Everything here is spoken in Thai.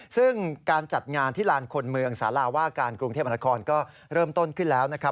ซึ่งการจัดงานที่ลานคนเมืองสาราว่าการกรุงเทพมนาคอนก็เริ่มต้นขึ้นแล้วนะครับ